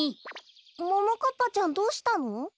ももかっぱちゃんどうしたの？